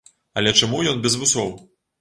Але чаму ён без вусоў?